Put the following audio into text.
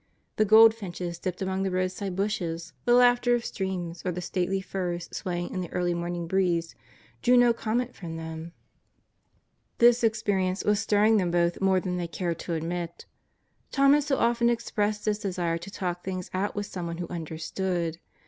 The goldfinches dipping among the roadside bushes, the laughter of streams, or the stately firs swaying in the early morning breeze drew no comment from them. This experience was stirring them both more than they cared to admit. Tom had so often expressed his desire to talk things out with someone who understood.